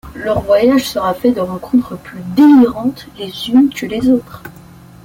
Leur voyage sera fait de rencontre plus délirantes les unes que les autres.